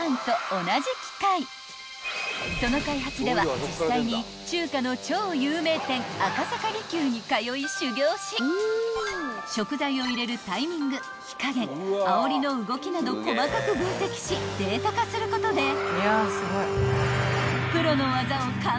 ［その開発では実際に中華の超有名店赤坂璃宮に通い修行し食材を入れるタイミング火加減あおりの動きなど細かく分析しデータ化することで］